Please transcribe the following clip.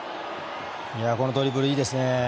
このドリブルいいですね。